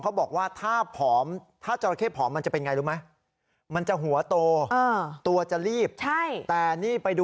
ในบุมคุณผู้ชมมองด้วยว่ายังไง